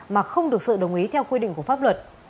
mà không được sự đồng ý theo quy định của pháp luật